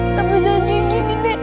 tapi jangan kayak gini nenek